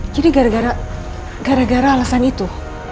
jadi gara gara alasan itu